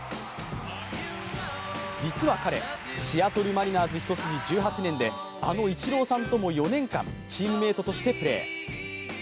実は彼、シアトル・マリナーズ一筋１８年であのイチローさんとも４年間チームメイトとしてプレー。